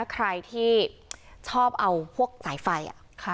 ใครที่ชอบเอาพวกสายไฟ